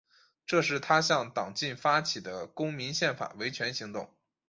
这是他向党禁发起的公民宪法维权行动。